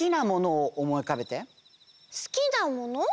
すきなもの？